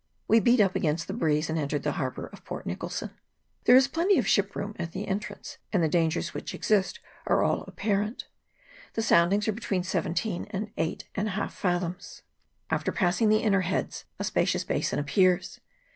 We beat up against the breeze, and entered the harbour of Port Nicholson. There is plenty of ship room at the entrance, and the dangers which exist are all appa rent. The soundings are between seventeen and eight and a half fathoms. Alter passing the inner heads a spacious basin appears.